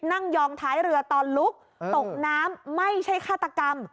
ยองท้ายเรือตอนลุกตกน้ำไม่ใช่ฆาตกรรม